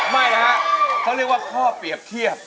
ไม่นะฮะเขาเรียกว่าข้อเปรียบเทียบ